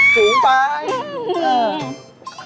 สูงไป